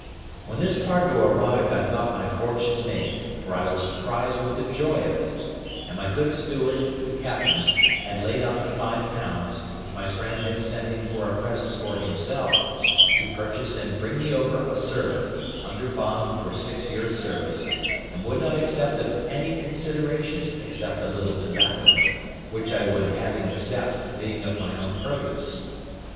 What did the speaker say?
When this cargo arrived I thought my fortune made, for I was surprised with the joy of it; and my stood steward, the captain, had laid out the five pounds, which my friend had sent him for a present for himself, to purchase and bring me over a servant, under bond for six years' service, and would not accept of any consideration, except a little tobacco, which I would have him accept, being of my own produce.